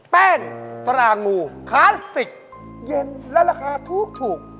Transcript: แป้งตรางูคลาสสิกเย็นและราคาถูก